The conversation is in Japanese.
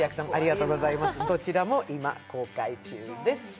どちらも今、公開中です。